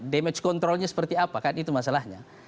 damage controlnya seperti apa kan itu masalahnya